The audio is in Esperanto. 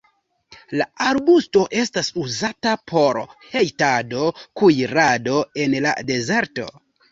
La arbusto estas uzata por hejtado, kuirado en la dezerto.